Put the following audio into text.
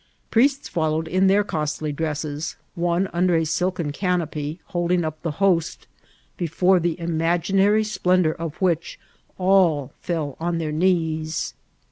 Priests followed in their costly dresses, one under a silken canopy, holding np the Host, before the imaginary iplendour of which all foil on their knees.